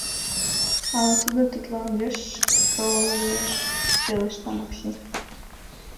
— Ала тудо тетла огеш кл лиеш, - пелешта Макси.